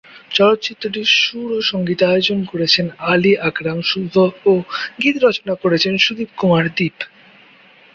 চলচ্চিত্রটির সুর ও সংগীতায়োজন করেছেন আলী আকরাম শুভ ও গীত রচনা করেছেন সুদীপ কুমার দীপ।